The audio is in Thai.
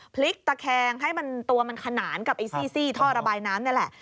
พลิกตะแคงให้มันตัวมันขนานกับไอ้ซี่ท่อระบายน้ำนี่แหละ